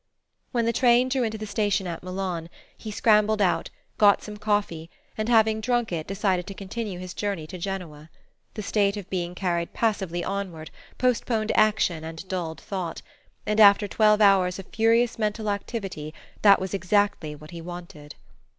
When the train drew into the station at Milan, he scrambled out, got some coffee, and having drunk it decided to continue his journey to Genoa. The state of being carried passively onward postponed action and dulled thought; and after twelve hours of furious mental activity that was exactly what he wanted.